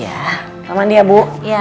selamat mandi ya ibu